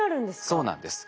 そうなんです。